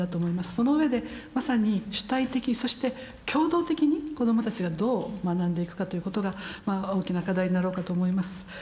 そのうえでまさに主体的そして協働的に子どもたちがどう学んでいくかということがまあ大きな課題になろうかと思います。